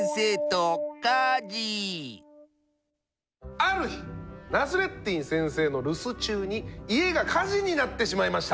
ある日ナスレッディン先生の留守中に家が火事になってしまいました。